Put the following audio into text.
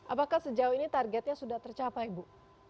apakah sejauh ini targetnya sudah tercapai bu